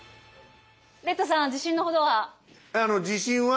レッドさんは自信のほどは？